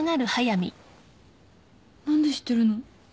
何で知ってるの？